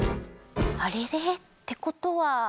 あれれ？ってことは。